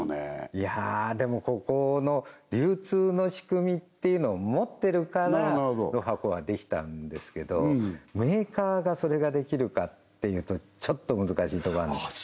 いやでもここの流通の仕組みっていうのを持ってるからロハコはできたんですけどメーカーがそれができるかっていうとちょっと難しいとこあるんですあ